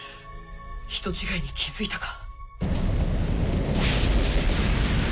人違いに気づいたか